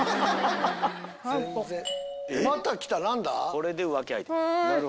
これで浮気相手か。